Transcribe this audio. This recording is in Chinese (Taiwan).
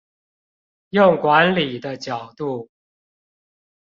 用管理的角度